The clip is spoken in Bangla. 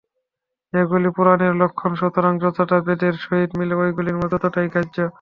এগুলি পুরাণের লক্ষণ, সুতরাং যতটা বেদের সহিত মিলে, ঐগুলির মধ্যে ততটাই গ্রাহ্য।